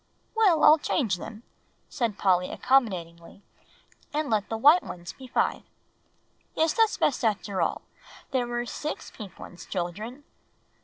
"Well, I'll change them," said Polly accommodatingly, "and let the white ones be five. Yes, that's best after all, there were six pink ones, children.